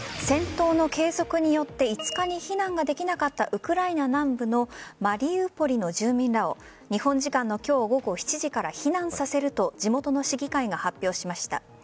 戦闘の継続によって５日に避難ができなかったウクライナ南部のマリウポリの住民らを日本時間の今日午後７時から避難させると地元の市議会が発表しました。